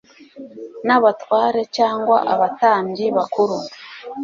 n’Abatware, cyangwa Abatambyi bakuru